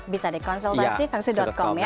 bisa deh konsultasifungsi com ya